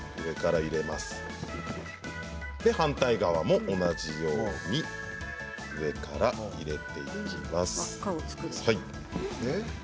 反対側も同じように上から入れていきます。